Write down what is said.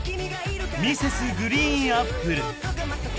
Ｍｒｓ．ＧＲＥＥＮＡＰＰＬＥ